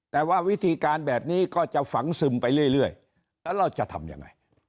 แต่ว่าวิธีการแบบนี้ก็จะฝังซึมไปเรื่อยแล้วเราจะทำยังไง